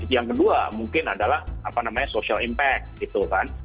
yang kedua mungkin adalah apa namanya social impact gitu kan